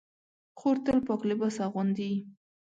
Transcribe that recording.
خور تل پاک لباس اغوندي.